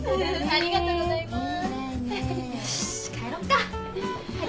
ありがとうございます。